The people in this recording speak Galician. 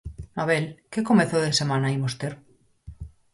Mabel, que comezo de semana imos ter?